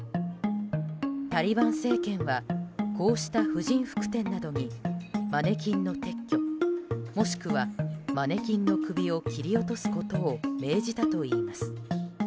タリバン政権はこうした婦人服店などにマネキンの撤去、もしくはマネキンの首を切り落とすことを命じたといいます。